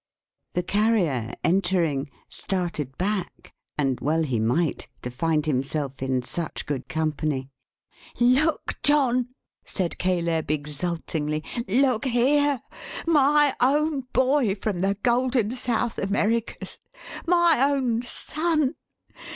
The Carrier, entering, started back: and well he might: to find himself in such good company. "Look, John!" said Caleb, exultingly, "look here! My own boy from the Golden South Americas! My own son!